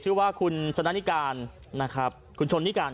คือว่าคุณชนนิการ